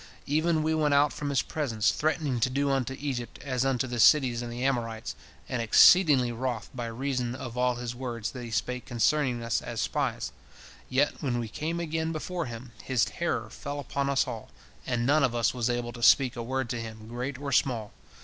Even we went out from his presence threatening to do unto Egypt as unto the cities of the Amorites, and exceedingly wroth by reason of all his words that he spake concerning us as spies, yet when we came again before him, his terror fell upon us all, and none of us was able to speak a word to him, great or small.